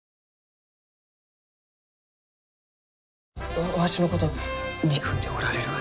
わわしのこと憎んでおられるがですか？